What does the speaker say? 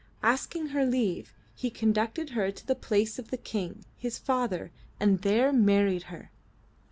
Asking her leave, he conducted her to the palace of the King, his father, and there married her.